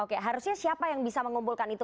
oke harusnya siapa yang bisa mengumpulkan itu